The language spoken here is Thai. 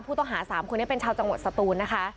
ผู้ต้องหา๓คนนี้เป็นชาวจังหวัดสตูนนะคะ